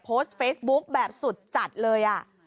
โพสต์เฟซบุ๊คแบบสุดจัดเลย